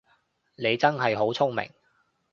你真係好聰明